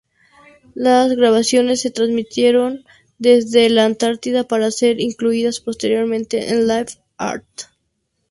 Las grabaciones se transmitieron desde la Antártida para ser incluidas posteriormente en Live Earth.